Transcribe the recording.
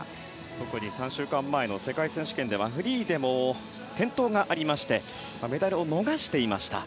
特に３週間前の世界選手権ではフリーでも転倒がありましてメダルを逃していました。